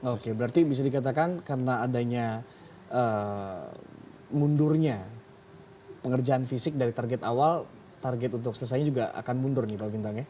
oke berarti bisa dikatakan karena adanya mundurnya pengerjaan fisik dari target awal target untuk selesainya juga akan mundur nih pak bintang ya